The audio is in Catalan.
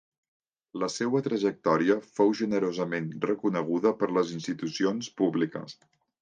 La seua trajectòria fou generosament reconeguda per les institucions públiques.